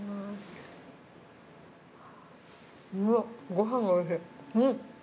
ご飯がおいしい。